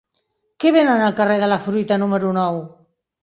Què venen al carrer de la Fruita número nou?